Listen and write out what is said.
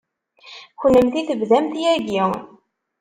Kennemti tebdamt yagi.